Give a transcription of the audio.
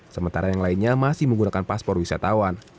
sementara yang lainnya masih menggunakan paspor wisatawan